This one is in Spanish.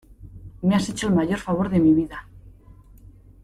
me has hecho el mayor favor de mi vida.